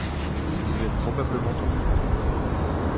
Il vivait probablement en groupe.